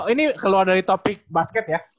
ini keluar dari topik basket ya